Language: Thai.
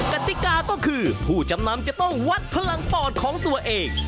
กติกาก็คือผู้จำนำจะต้องวัดพลังปอดของตัวเอง